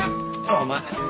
お前。